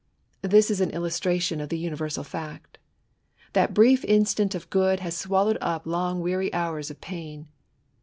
This is an illus tration of the tufdversal fact. That brief instant of good has swallowed up long weary hours of pain.